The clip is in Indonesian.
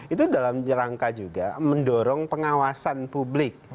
itu dalam rangka juga mendorong pengawasan publik